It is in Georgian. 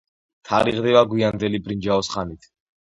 თარიღდება გვიანდელი ბრინჯაოს ხანით.